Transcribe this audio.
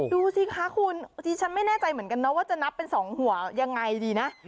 ดูสิคะคุณดิฉันไม่แน่ใจเหมือนกันนะว่าจะนับเป็น๒หัวยังไงดีนะ